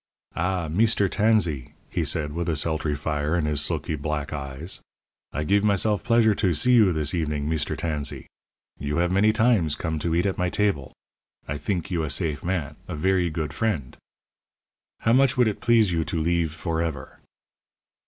"Ah, Meester Tansee," he said, with a sultry fire in his silky, black eyes, "I give myself pleasure to see you this evening. Meester Tansee, you have many times come to eat at my table. I theenk you a safe man a verree good friend. How much would it please you to leeve forever?"